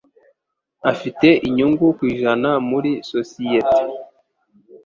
Afite inyungu ku ijana muri sosiyete.